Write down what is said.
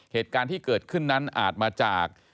เหตุการณ์ที่เกิดขึ้นนั้นอาจมาจาก